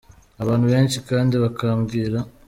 Abantu benshi kandi bakambwira.